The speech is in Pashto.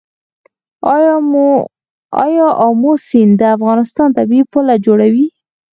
آیا امو سیند د افغانستان طبیعي پوله جوړوي؟